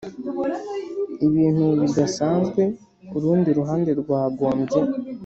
ibintu bidasanzwe urundi ruhande rwagombye